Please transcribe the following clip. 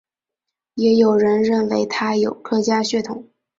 也有人认为他有客家血统。